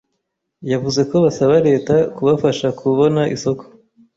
Yavuze ko basaba leta kubafasha kubona isoko